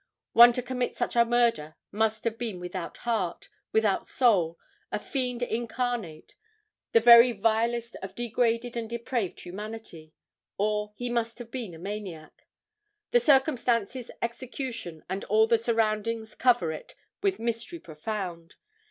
One to commit such a murder must have been without heart, without soul, a fiend incarnate, the very vilest of degraded and depraved humanity, or he must have been a maniac. The circumstances, execution and all the surroundings cover it with mystery profound.